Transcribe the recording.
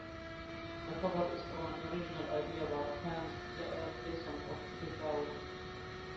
The cover is from an original idea by Hans Claesson of Kebawe.